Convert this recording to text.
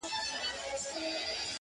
o جوړ يمه گودر يم ماځيگر تر ملا تړلى يم؛